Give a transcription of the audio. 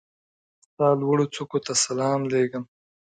ستا لوړوڅوکو ته سلام لېږم